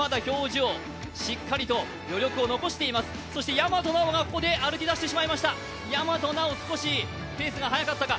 大和奈央がここで歩きだしてしまいました、少しペースが速かったか。